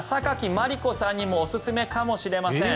榊マリコさんにもおすすめかもしれません。